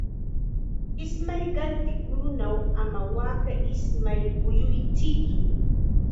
Ismay qaltiq kurunaw ama waaka ismayta muyuchiytsu.